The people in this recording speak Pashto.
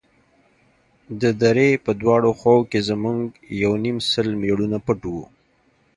د درې په دواړو خواوو کښې زموږ يو يونيم سل مېړونه پټ وو.